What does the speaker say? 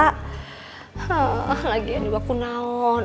hah lagi yang dua kunon